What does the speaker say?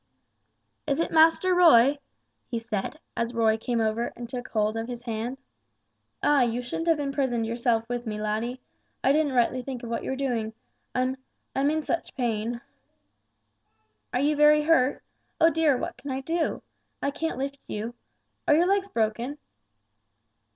"Is it Master Roy?" he said, as Roy came over and took hold of his hand; "ay, you shouldn't have imprisoned yourself with me, laddie I didn't rightly think of what you were doing I'm I'm in such pain!" "Are you very hurt? Oh, dear, what can I do? I can't lift you. Are your legs broken?"